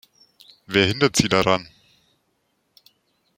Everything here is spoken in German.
Wer hindert sie daran?